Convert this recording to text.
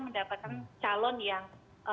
mendapatkan calon yang